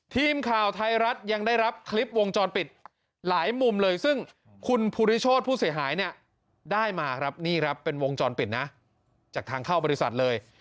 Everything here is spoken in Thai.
ทีมข่าวไทยรัฐยังได้รับคลิปวงจรปิดหลายมุมเลยซึ่งคุณภูริโชธผู้เสียหายเนี่ยได้มาครับนี่ครับเป็นวงจรปิดนะจากทางเข้าบริษัทเลย